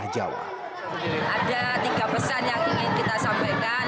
ada tiga pesan yang ingin kita sampaikan